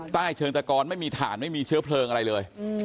ใต้เชิงตะกอนไม่มีถ่านไม่มีเชื้อเพลิงอะไรเลย